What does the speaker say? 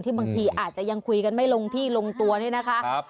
บางทีอาจจะยังคุยกันไม่ลงที่ลงตัวเนี่ยนะคะ